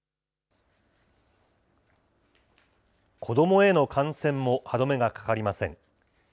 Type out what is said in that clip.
子どもへの感染も歯止めがかかりません。